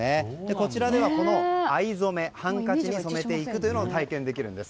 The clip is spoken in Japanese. こちらでは、藍染めハンカチに染めていくというのを体験できるんです。